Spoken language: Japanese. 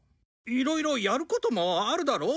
いろいろやることもあるだろ？